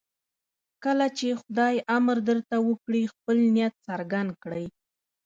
کله چې خدای امر درته وکړي خپل نیت څرګند کړئ.